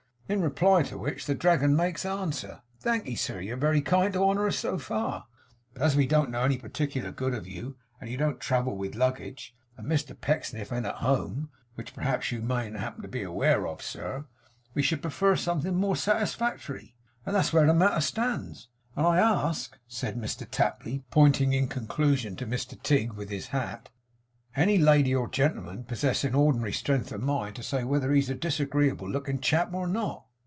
In reply to which, the Dragon makes answer, "Thankee, sir, you're very kind to honour us so far, but as we don't know any particular good of you, and you don't travel with luggage, and Mr Pecksniff an't at home (which perhaps you mayn't happen to be aware of, sir), we should prefer something more satisfactory;" and that's where the matter stands. And I ask,' said Mr Tapley, pointing, in conclusion, to Mr Tigg, with his hat, 'any lady or gentleman, possessing ordinary strength of mind, to say whether he's a disagreeable looking chap or not!